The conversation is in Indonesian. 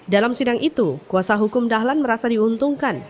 dalam sidang itu kuasa hukum dahlan merasa diuntungkan